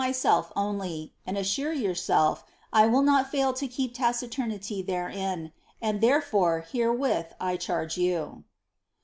^elf only, and assure yourself I will not fail to keep taciturnity therein, and tlierefore herewith I charge you.